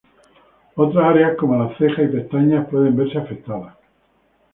Otras áreas como las cejas y pestañas pueden verse afectados.